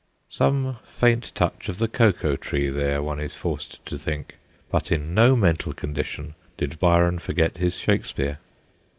Some faint touch of the Cocoa Tree there, one is forced to think, but in no mental condition did Byron forget his Shakespeare.